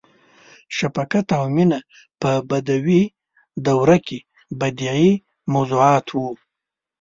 • شفقت او مینه په بدوي دوره کې بدیعي موضوعات وو.